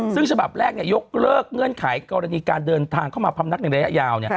ซึ่งฉบับแรกเนี่ยยกเลิกเงื่อนไขกรณีการเดินทางมาพร้อมนักในระยะยาว